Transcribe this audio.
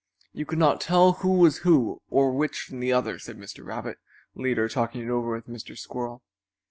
"You could not tell who was who or which from the other," said Mr. Rabbit, later talking it over with Mr. Squirrel.